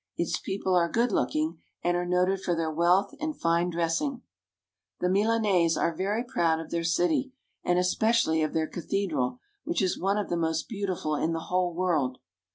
Its people are good looking, and are noted for their wealth and fine dressing. The Milanese are very proud of their city, and espe cially of their cathedral, which is one of the most beauti ful in the whole world.